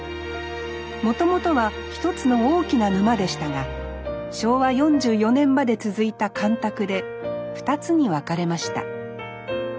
もともとは１つの大きな沼でしたが昭和４４年まで続いた干拓で２つに分かれました。